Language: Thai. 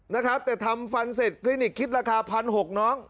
นะครับแต่ทำฟันเสร็จคลินิกคิดราคาพันหกน้อง